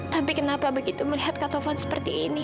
tapi kenapa begitu melihat kak tovan seperti ini